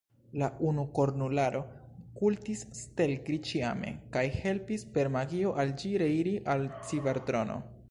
La unukornularo kultis Stelkri ĉiame, kaj helpis per magio al ĝi reiri al Cibertrono.